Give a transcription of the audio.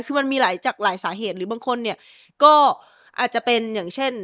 คือมันมีหลายจากหลายสาเหตุหรือบางคนเนี่ยก็อาจจะเป็นอย่างเช่น